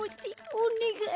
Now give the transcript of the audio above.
おねがい。